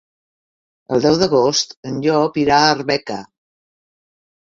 El deu d'agost en Llop irà a Arbeca.